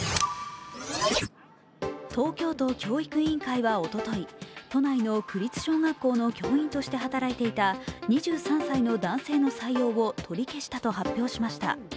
東京都教育委員会はおととい都内の区立小学校の教員として働いていた２３歳の男性の採用を取り消したと発表しました。